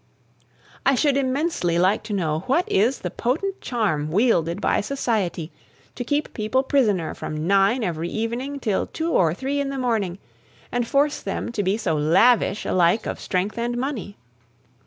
I should immensely like to know what is the potent charm wielded by society to keep people prisoner from nine every evening till two or three in the morning, and force them to be so lavish alike of strength and money.